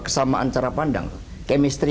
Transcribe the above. kesamaan cara pandang kemistri